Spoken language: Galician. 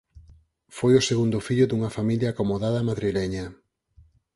Foi o segundo fillo dunha familia acomodada madrileña.